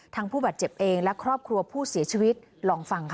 ผู้บาดเจ็บเองและครอบครัวผู้เสียชีวิตลองฟังค่ะ